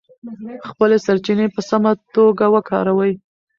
خپلې سرچینې په سمه توګه وکاروئ.